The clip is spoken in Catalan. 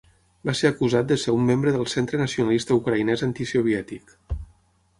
Va ser acusat de ser un membre del centre nacionalista ucraïnès antisoviètic.